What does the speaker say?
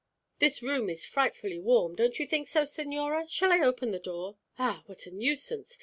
This room is frightfully warm, don't you think so, señora? Shall I open the door? Ah, what a nuisance!